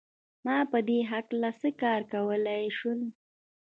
ما په دې هکله څه کار کولای شول